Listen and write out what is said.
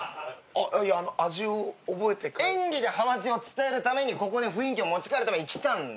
演技でハマチを伝えるためにここで雰囲気を持ち帰るために来たんだ。